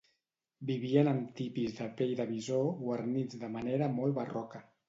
Vivien en tipis de pell de bisó, guarnits de manera molt barroca.